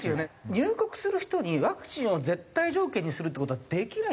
入国する人にワクチンを絶対条件にするって事はできない？